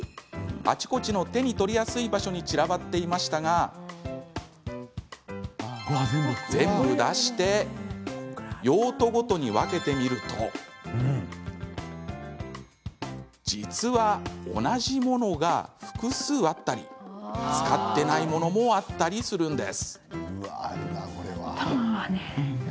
あちこちの手に取りやすい場所に散らばっていましたが全部、出して用途ごとに分けてみると実は同じものが複数あったり使ってないものもあったりするんです。